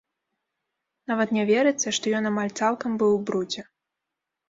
Нават не верыцца, што ён амаль цалкам быў у брудзе.